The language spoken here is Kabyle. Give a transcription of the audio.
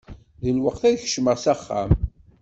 D lweqt ad kecmeɣ s axxam.